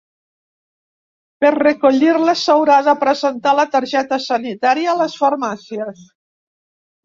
Per a recollir-les, s’haurà de presentar la targeta sanitària a les farmàcies.